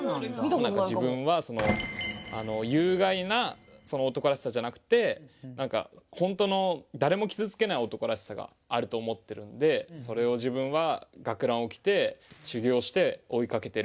自分はその有害な男らしさじゃなくて何かほんとの誰も傷つけない男らしさがあると思ってるんでそれを自分は学ランを着て修行して追いかけてる身です。